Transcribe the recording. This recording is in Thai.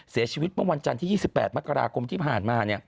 เสียชีวิตเมื่อวันจันทร์ที่๒๘มกราคมที่ผ่านมา